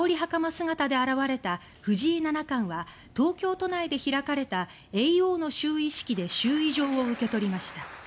姿で現れた藤井七冠は東京都内で開かれた「叡王」の就位式で就位状を受け取りました。